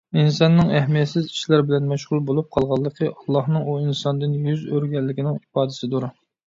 ئىنساننىڭ ئەھمىيەتسىز ئىشلار بىلەن مەشغۇل بولۇپ قالغانلىقى، ئاللاھنىڭ ئۇ ئىنساندىن يۈز ئۆرۈگەنلىكىنىڭ ئىپادىسىدۇر.